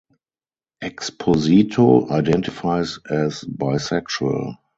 Exposito identifies as bisexual.